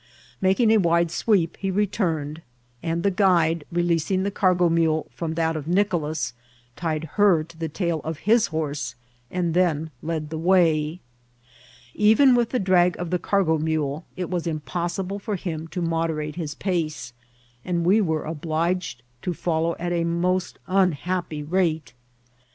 Making a wider sweep, he retiflrned, and the guide, releasing the cargo mule from that of Nicolas, tied her to the tail of his horse, and then led die way. Even with die drag <rf the car^ BAGAtBt. S87 go mnle it was unpossible for him to moderate his paeei and we were obliged to follow at a moBt anhiappy rate.